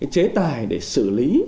chế tài để xử lý